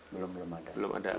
belum belum ada